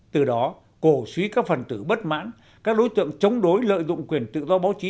từ đó cổ suý các phần tử bất mãn các đối tượng chống đối lợi dụng quyền tự do báo chí